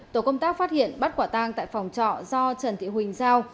tổ công tác phát hiện bắt quả tang tại phòng trọ do trần thị huỳnh giao